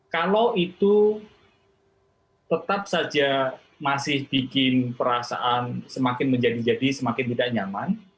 kalau itu tetap saja masih bikin perasaan semakin menjadi jadi semakin tidak nyaman